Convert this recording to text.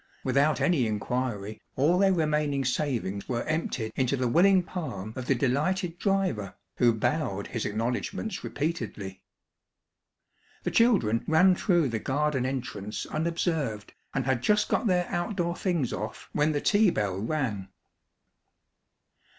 Without any inquiry, all their remaining savings were emptied into the willing palm of the delighted driver, who bowed his acknowledgments repeatedly. The children ran through the garden entrance unobserved, and had just got their outdoor things off when the tea bell rang.